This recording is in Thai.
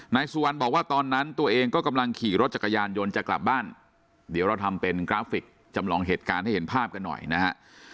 นายสุวรรณบอกว่าตอนนั้นตัวเองก็กำลังขี่รถจักรยานยนต์จะกลับบ้านเดี๋ยวเราทำเป็นกราฟิกจำลองเหตุการณ์ให้เห็นภาพกันหน่อยนะฮะ